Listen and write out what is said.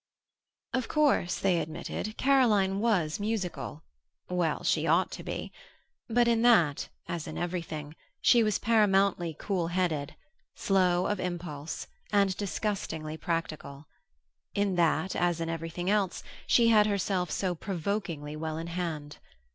Of course, they admitted, Caroline was musical well, she ought to be! but in that, as in everything, she was paramountly cool headed, slow of impulse, and disgustingly practical; in that, as in everything else, she had herself so provokingly well in hand.